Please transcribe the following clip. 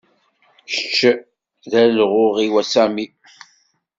Kečč d alɣuɣ-iw, a Sami.